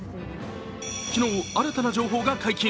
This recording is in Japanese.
昨日、新たな情報が解禁。